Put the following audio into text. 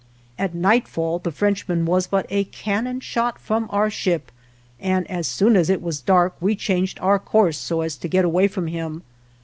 At nightfall the Frenchman was but a cannon shot from our ship, and as soon as it was dark we changed our course so as to get away from him.